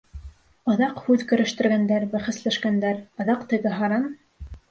Оҙаҡ һүҙ көрәштергәндәр, бәхәсләшкәндәр, аҙаҡ теге һаран: